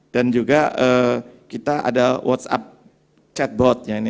dan juga kita ada whatsapp chatbot